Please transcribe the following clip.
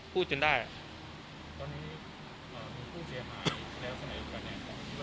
พูดจนได้ตอนนี้อ่าผู้เจียงอายุแล้วส่วนอายุกันเนี้ยความนี้ว่าเยอะไหมครับ